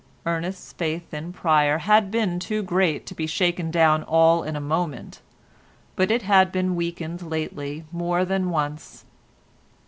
Ernest's faith in Pryer had been too great to be shaken down all in a moment, but it had been weakened lately more than once.